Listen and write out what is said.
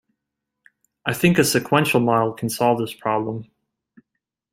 I think a sequential model can solve this problem.